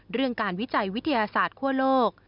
เรื่องการวิจัยวิทยาศาสตร์คั่วโลก